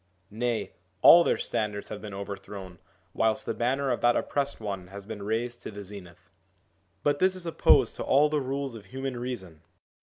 Nay, all their standards have been overthrown, whilst the banner of that Oppressed One has been raised to the zenith. But this is opposed to all the rules of human reason.